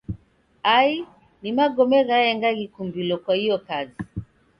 Ai ni magome ghaenga ghikumbilo kwa iyo kazi.